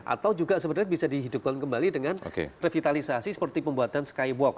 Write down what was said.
atau juga sebenarnya bisa dihidupkan kembali dengan revitalisasi seperti pembuatan skywalk